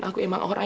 aku ingin pergi